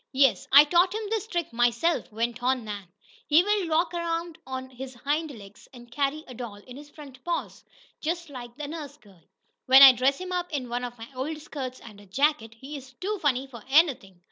"Yes, I taught him this trick myself," went on Nan. "He will walk around on his hind legs, and carry a doll in his front paws, just like a nurse girl. When I dress him up in one of my old skirts and a jacket, he is too funny for anything!